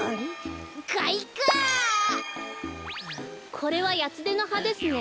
これはヤツデのはですね。